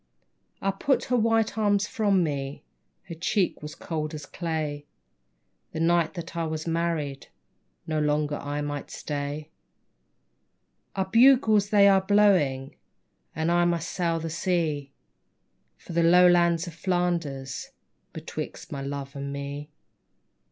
I put her white arms from me, Her cheek was cold as clay. The night that I was married No longer I might stay. Our bugles they are blowing, And I must sail the sea, For the Lowlands of Flanders Betwixt my love and me.